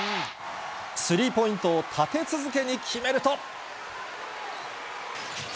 スリーポイントを立て続けに決めると。